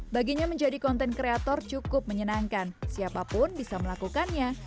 baginya menjadi konten kreator cukup menyenangkan siapapun bisa melakukannya